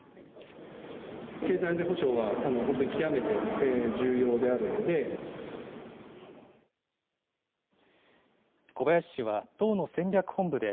経済安全保障は本当に極めて重要であるので。